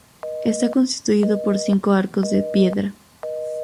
Está constituido por cinco arcos de piedra.